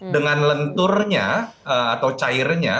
dengan lenturnya atau cairnya